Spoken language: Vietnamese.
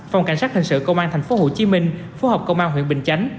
phòng cảnh sát hình sự công an tp hcm phối hợp công an huyện bình chánh